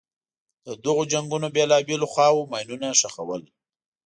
د دغو جنګونو بېلابېلو خواوو ماینونه ښخول.